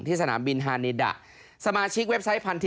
สนามบินฮานีดะสมาชิกเว็บไซต์พันทิ